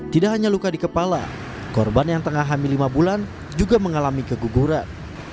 tidak hanya luka di kepala korban yang tengah hamil lima bulan juga mengalami keguguran